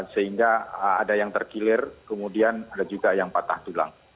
sehingga ada yang terkilir kemudian ada juga yang patah tulang